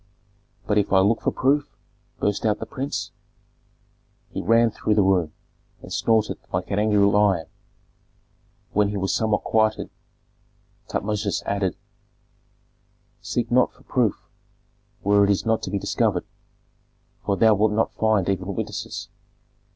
"But if I look for proof?" burst out the prince. He ran through the room, and snorted like an angry lion. When he was somewhat quieted, Tutmosis added, "Seek not for proof where it is not to be discovered, for thou wilt not find even witnesses.